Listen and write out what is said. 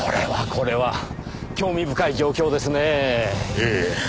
ええ。